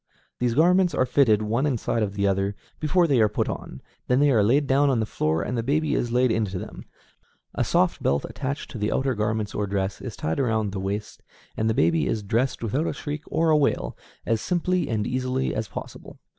These garments are fitted, one inside of the other, before they are put on; then they are laid down on the floor and the baby is laid into them; a soft belt, attached to the outer garment or dress, is tied around the waist, and the baby is dressed without a shriek or a wail, as simply and easily as possible.